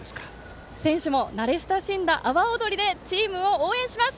選手も慣れ親しんだ阿波おどりでチームを応援します。